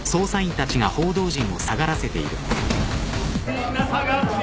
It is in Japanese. ・みんな下がって！